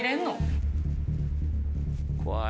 怖い。